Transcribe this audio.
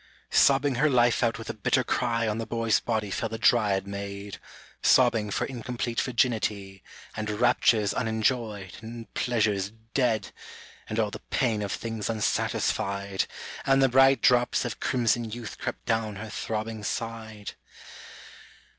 Sobbing her life out with a bitter cry On the boy's body fell the Dryad maid, Sobbing for incomplete virginity, And raptures unenjoyed, and pleasures dead, And all the pain of things unsatisfied, / And the bright drops of crimson youth crept down // her throbbing side.